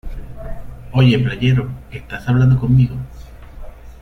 ¡ Oye, playero! ¿ esta hablando conmigo?